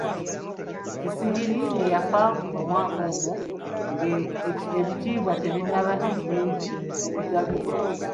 Kisingiri ye yafa mu mwaka ogwo, ng'ebitiibwa tebinnaba bingi ebigabibwa.